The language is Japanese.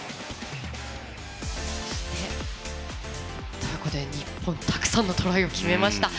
ということで、日本たくさんのトライを決めました。